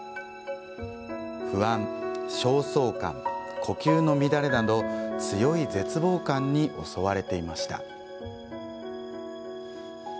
不安、焦燥感、呼吸の乱れなど強い絶望感に襲われていました。